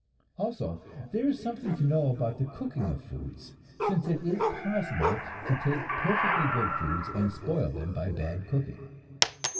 Also there is something to know about the cooking of foods, since it is possible to take perfectly good foods and spoil them by bad cooking.